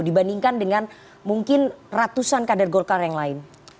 dibandingkan dengan mungkin ratusan kader golkar yang lain